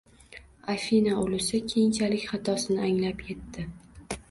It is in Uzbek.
Afina ulusi keyinchalik xatosini anglab yetdi